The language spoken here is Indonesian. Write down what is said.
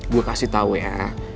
gue kasih tau ya